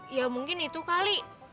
ya mungkin itu kali